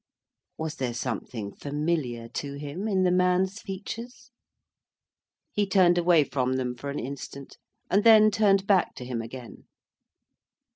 Was there something familiar to him in the man's features? He turned away from them for an instant, and then turned back to him again.